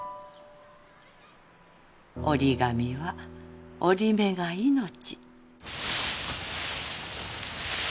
折り紙は折り目が命。